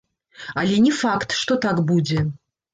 Але не факт, што так будзе.